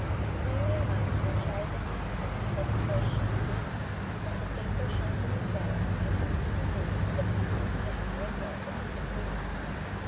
2 We may not uncharitably assume that a portion, at least, of the favor shown to Lucero may have been due to the pecuniary results of his activity.